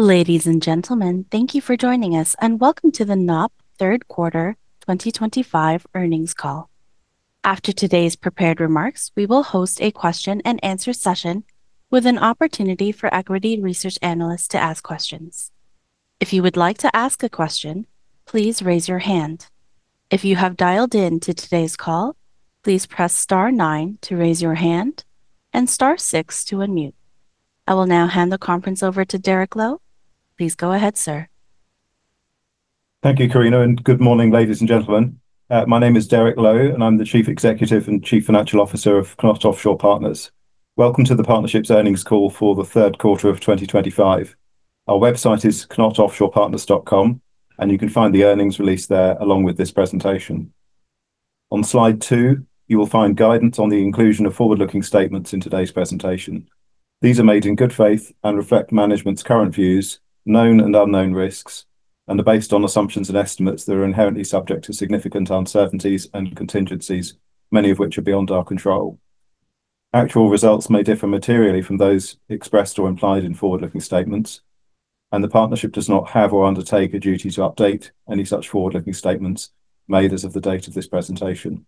Ladies and gentlemen, thank you for joining us, and welcome to the KNOP Third Quarter 2025 earnings call. After today's prepared remarks, we will host a question-and-answer session with an opportunity for equity research analysts to ask questions. If you would like to ask a question, please raise your hand. If you have dialed into today's call, please press star nine to raise your hand and star six to unmute. I will now hand the conference over to Derek Lowe. Please go ahead, sir. Thank you, Karina, and good morning, ladies and gentlemen. My name is Derek Lowe, and I'm the Chief Executive and Chief Financial Officer of KNOT Offshore Partners. Welcome to the partnership's earnings call for the third quarter of 2025. Our website is knotoffshorepartners.com, and you can find the earnings release there along with this presentation. On slide two, you will find guidance on the inclusion of forward-looking statements in today's presentation. These are made in good faith and reflect management's current views, known and unknown risks, and are based on assumptions and estimates that are inherently subject to significant uncertainties and contingencies, many of which are beyond our control. Actual results may differ materially from those expressed or implied in forward-looking statements, and the partnership does not have or undertake a duty to update any such forward-looking statements made as of the date of this presentation.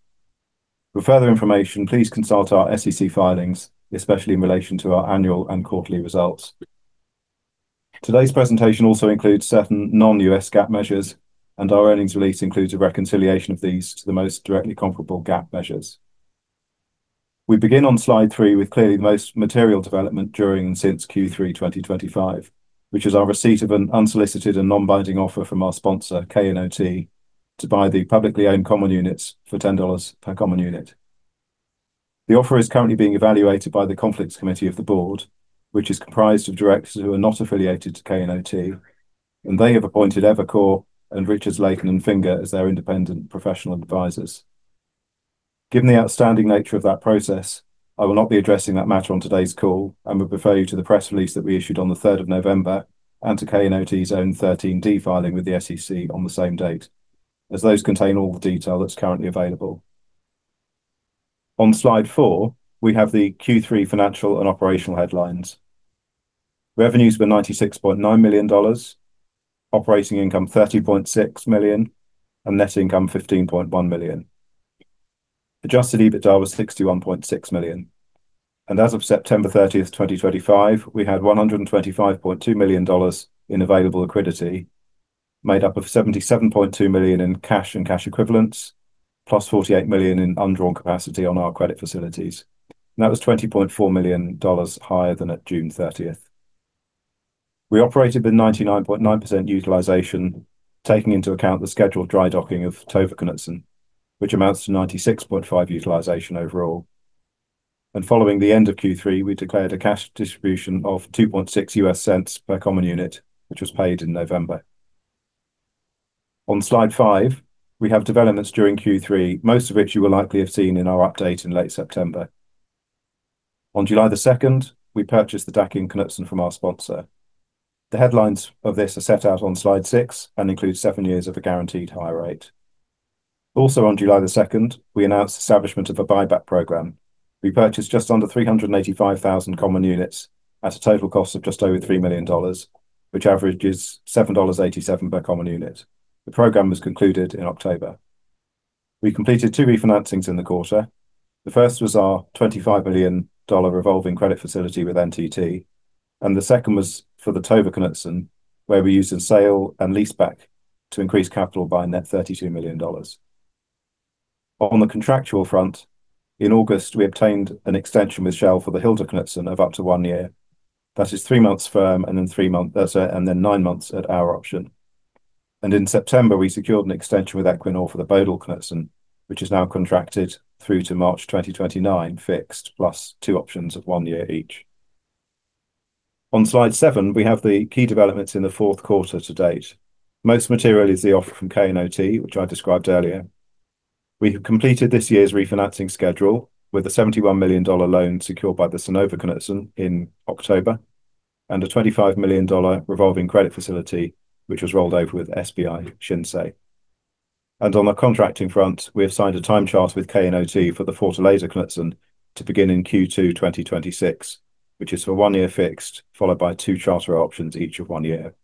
For further information, please consult our SEC filings, especially in relation to our annual and quarterly results. Today's presentation also includes certain non-GAAP measures, and our earnings release includes a reconciliation of these to the most directly comparable GAAP measures. We begin on slide three with clearly the most material development during and since Q3 2025, which is our receipt of an unsolicited and non-binding offer from our sponsor, KNOT, to buy the publicly owned common units for $10 per common unit. The offer is currently being evaluated by the Conflicts Committee of the board, which is comprised of directors who are not affiliated to KNOT, and they have appointed Evercore and Richards, Layton & Finger as their independent professional advisors. Given the outstanding nature of that process, I will not be addressing that matter on today's call and would refer you to the press release that we issued on the 3rd of November and to KNOT's own 13D Filing with the SEC on the same date, as those contain all the detail that's currently available. On slide four, we have the Q3 financial and operational headlines. Revenues were $96.9 million, operating income $30.6 million, and net income $15.1 million. Adjusted EBITDA was $61.6 million. And as of September 30th, 2025, we had $125.2 million in available liquidity, made up of $77.2 million in cash and cash equivalents, plus $48 million in undrawn capacity on our credit facilities. That was $20.4 million higher than at June 30th. We operated with 99.9% utilization, taking into account the scheduled dry docking of Tove Knutsen, which amounts to 96.5% utilization overall. Following the end of Q3, we declared a cash distribution of $0.026 per common unit, which was paid in November. On slide five, we have developments during Q3, most of which you will likely have seen in our update in late September. On July the 2nd, we purchased the Daqing Knutsen from our sponsor. The headlines of this are set out on slide six and include seven years of a guaranteed high rate. Also, on July the 2nd, we announced the establishment of a buyback program. We purchased just under 395,000 common units at a total cost of just over $3 million, which averages $7.87 per common unit. The program was concluded in October. We completed two refinancings in the quarter. The first was our $25 million revolving credit facility with NTT, and the second was for the Tove Knutsen, where we used a sale and leaseback to increase capital by net $32 million. On the contractual front, in August, we obtained an extension with Shell for the Hilda Knutsen of up to one year. That is three months firm and then three months and then nine months at our option. In September, we secured an extension with Equinor for the Bodil Knutsen, which is now contracted through to March 2029 fixed, plus two options of one year each. On slide seven, we have the key developments in the fourth quarter to date. Most material is the offer from KNOT, which I described earlier. We have completed this year's refinancing schedule with a $71 million loan secured by the Synnøve Knutsen in October and a $25 million revolving credit facility, which was rolled over with SBI Shinsei. On the contracting front, we have signed a time charter with KNOT for the Fortaleza Knutsen to begin in Q2 2026, which is for one year fixed, followed by two charter options each of one year.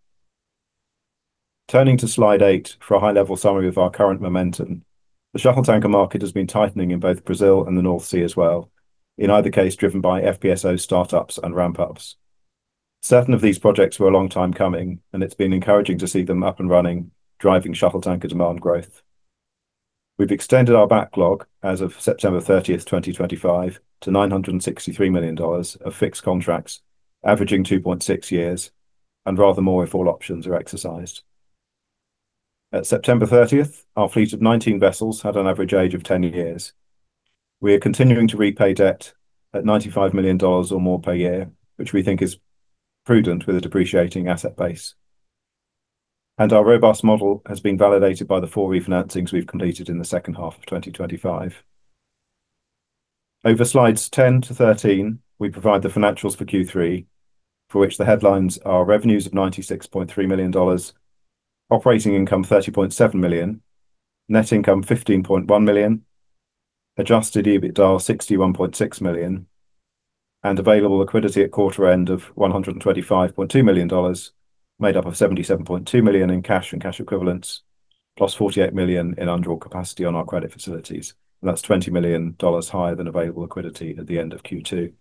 Turning to slide 8 for a high-level summary of our current momentum, the shuttle tanker market has been tightening in both Brazil and the North Sea as well, in either case driven by FPSO startups and ramp-ups. Seven of these projects were a long time coming, and it's been encouraging to see them up and running, driving shuttle tanker demand growth. We've extended our backlog as of September 30th, 2025, to $963 million of fixed contracts, averaging 2.6 years, and rather more if all options are exercised. At September 30th, our fleet of 19 vessels had an average age of 10 years. We are continuing to repay debt at $95 million or more per year, which we think is prudent with a depreciating asset base, and our robust model has been validated by the four refinancings we've completed in the second half of 2025. Over slides 10-13, we provide the financials for Q3, for which the headlines are revenues of $96.3 million, operating income $30.7 million, net income $15.1 million, Adjusted EBITDA $61.6 million, and available liquidity at quarter end of $125.2 million, made up of $77.2 million in cash and cash equivalents, plus $48 million in undrawn capacity on our credit facilities. That's $20 million higher than available liquidity at the end of Q2.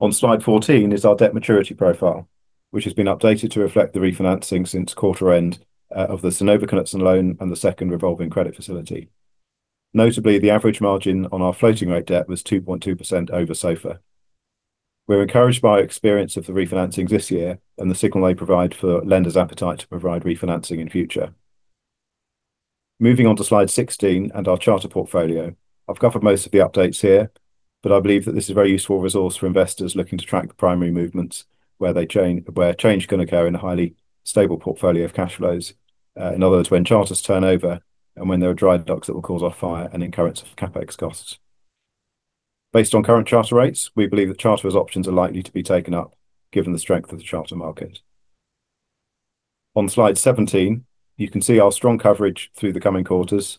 On slide 14 is our debt maturity profile, which has been updated to reflect the refinancing since quarter end of the Synnøve Knutsen loan and the second revolving credit facility. Notably, the average margin on our floating rate debt was 2.2% over SOFR. We're encouraged by our experience of the refinancing this year and the signal they provide for lenders' appetite to provide refinancing in future. Moving on to slide 16 and our charter portfolio, I've covered most of the updates here, but I believe that this is a very useful resource for investors looking to track primary movements, where change can occur in a highly stable portfolio of cash flows, in other words, when charters turn over and when there are dry docks that will cause off-hire and incurrence of CapEx costs. Based on current charter rates, we believe that charterers' options are likely to be taken up given the strength of the charter market. On slide 17, you can see our strong coverage through the coming quarters.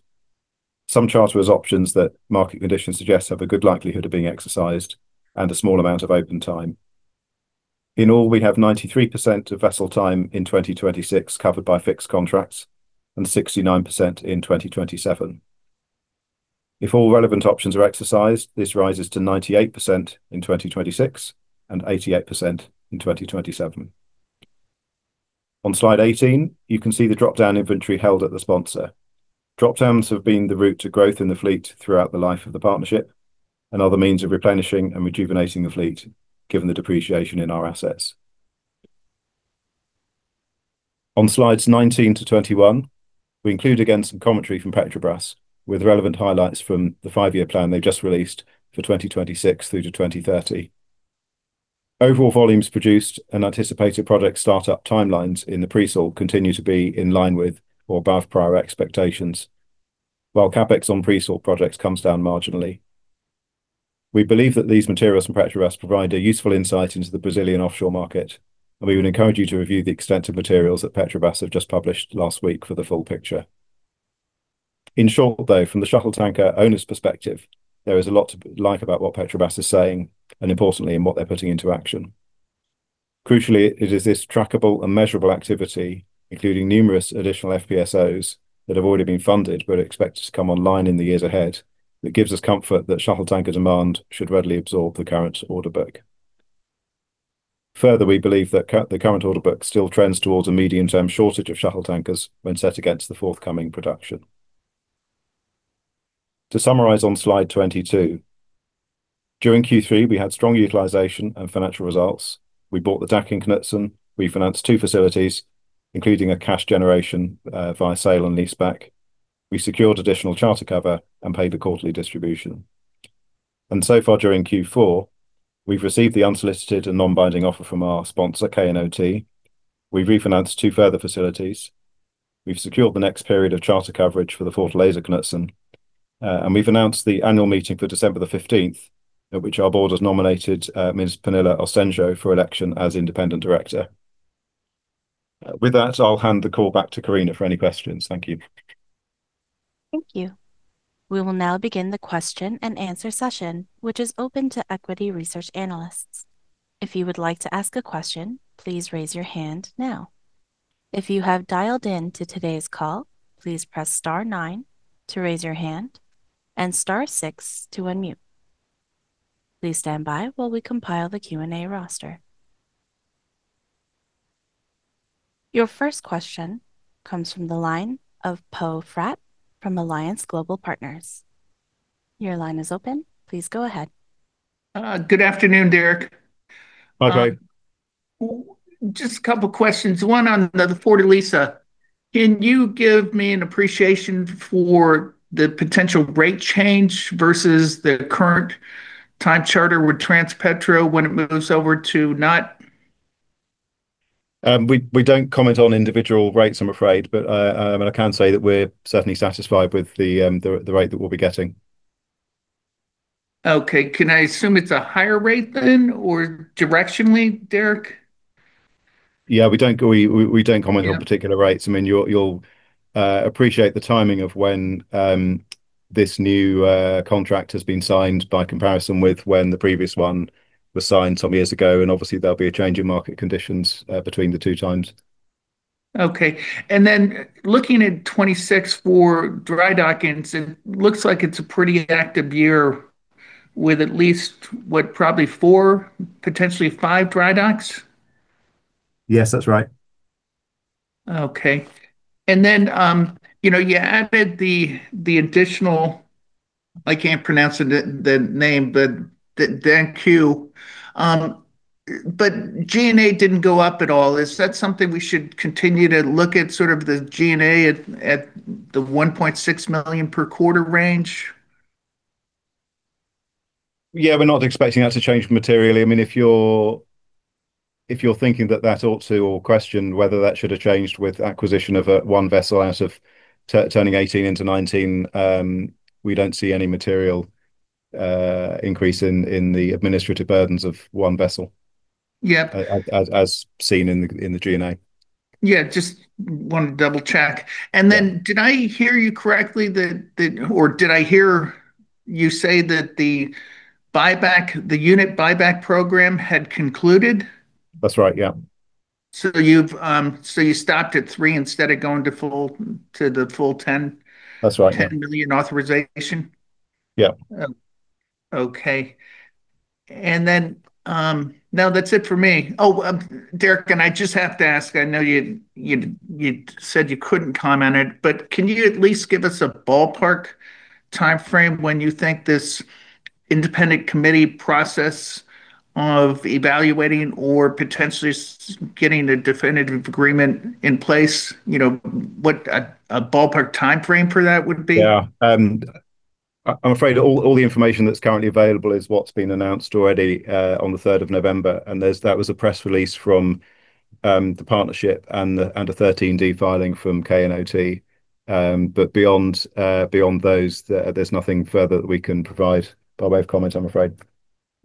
Some charterers' options that market conditions suggest have a good likelihood of being exercised and a small amount of open time. In all, we have 93% of vessel time in 2026 covered by fixed contracts and 69% in 2027. If all relevant options are exercised, this rises to 98% in 2026 and 88% in 2027. On slide 18, you can see the dropdown inventory held at the sponsor. Dropdowns have been the route to growth in the fleet throughout the life of the partnership and other means of replenishing and rejuvenating the fleet, given the depreciation in our assets. On slides 19-21, we include again some commentary from Petrobras with relevant highlights from the five-year plan they've just released for 2026 through to 2030. Overall volumes produced and anticipated project startup timelines in the pre-salt continue to be in line with or above prior expectations, while CapEx on pre-salt projects comes down marginally. We believe that these materials from Petrobras provide a useful insight into the Brazilian offshore market, and we would encourage you to review the extensive materials that Petrobras have just published last week for the full picture. In short, though, from the shuttle tanker owner's perspective, there is a lot to like about what Petrobras is saying and, importantly, in what they're putting into action. Crucially, it is this trackable and measurable activity, including numerous additional FPSOs that have already been funded but are expected to come online in the years ahead, that gives us comfort that shuttle tanker demand should readily absorb the current order book. Further, we believe that the current order book still trends towards a medium-term shortage of shuttle tankers when set against the forthcoming production. To summarize on slide 22, during Q3, we had strong utilization and financial results. We bought the Daqing Knutsen, refinanced two facilities, including a cash generation via sale and leaseback. We secured additional charter cover and paid the quarterly distribution. And so far, during Q4, we've received the unsolicited and non-binding offer from our sponsor, KNOT. We've refinanced two further facilities. We've secured the next period of charter coverage for the Fortaleza Knutsen, and we've announced the annual meeting for December the 15th, at which our board has nominated Ms. Pernille Østensjø for election as independent director. With that, I'll hand the call back to Karina for any questions. Thank you. Thank you. We will now begin the question and answer session, which is open to equity research analysts. If you would like to ask a question, please raise your hand now. If you have dialed into today's call, please press star nine to raise your hand and star six to unmute. Please stand by while we compile the Q&A roster. Your first question comes from the line of Poe Fratt from Alliance Global Partners. Your line is open. Please go ahead. Good afternoon, Derek. Okay. Just a couple of questions. One on the Fortaleza. Can you give me an appreciation for the potential rate change versus the current time charter with Transpetro when it moves over to KNOT? We don't comment on individual rates, I'm afraid, but I can say that we're certainly satisfied with the rate that we'll be getting. Okay. Can I assume it's a higher rate than or directionally, Derek? Yeah, we don't comment on particular rates. I mean, you'll appreciate the timing of when this new contract has been signed by comparison with when the previous one was signed some years ago. And obviously, there'll be a change in market conditions between the two times. Okay. And then looking at 26 for dry dockings, it looks like it's a pretty active year with at least what, probably four, potentially five dry docks? Yes, that's right. Okay. And then you added the additional, I can't pronounce the name, but Daqing. But G&A didn't go up at all. Is that something we should continue to look at, sort of the G&A at the $1.6 million per quarter range? Yeah, we're not expecting that to change materially. I mean, if you're thinking that that ought to, or question whether that should have changed with acquisition of one vessel out of turning 18 into 19, we don't see any material increase in the administrative burdens of one vessel. Yep. As seen in the G&A. Yeah, just wanted to double-check. And then did I hear you correctly that, or did I hear you say that the buyback, the unit buyback program had concluded? That's right, yeah. So you stopped at three instead of going to the full 10? That's right. $10 million authorization? Yep. Okay. And then no, that's it for me. Oh, Derek, and I just have to ask. I know you said you couldn't comment, but can you at least give us a ballpark timeframe when you think this independent committee process of evaluating or potentially getting a definitive agreement in place? What a ballpark timeframe for that would be? Yeah. I'm afraid all the information that's currently available is what's been announced already on the 3rd of November, and that was a press release from the partnership and a 13D filing from KNOT, but beyond those, there's nothing further that we can provide by way of comment, I'm afraid.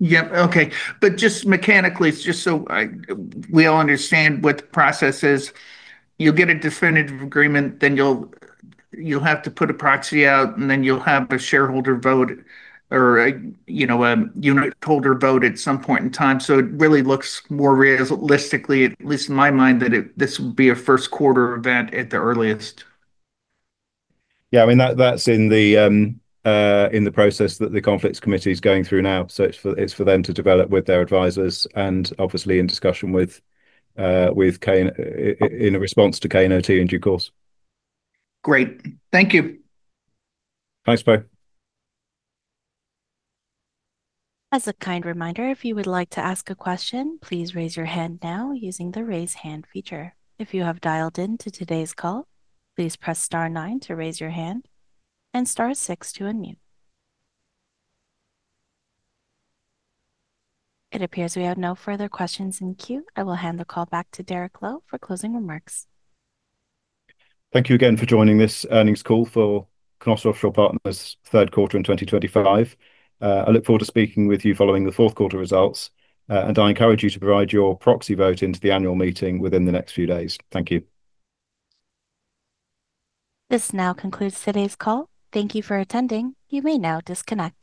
Yep. Okay. But just mechanically, just so we all understand what the process is, you'll get a definitive agreement, then you'll have to put a proxy out, and then you'll have a shareholder vote or a unit holder vote at some point in time. So it really looks more realistically, at least in my mind, that this would be a first quarter event at the earliest. Yeah. I mean, that's in the process that the Conflicts Committee is going through now. So it's for them to develop with their advisors and obviously in discussion with, in response to KNOT in due course. Great. Thank you. Thanks, Poe. As a kind reminder, if you would like to ask a question, please raise your hand now using the raise hand feature. If you have dialed into today's call, please press star nine to raise your hand and star six to unmute. It appears we have no further questions in queue. I will hand the call back to Derek Lowe for closing remarks. Thank you again for joining this earnings call for KNOT Offshore Partners third quarter in 2025. I look forward to speaking with you following the fourth quarter results, and I encourage you to provide your proxy vote into the annual meeting within the next few days. Thank you. This now concludes today's call. Thank you for attending. You may now disconnect.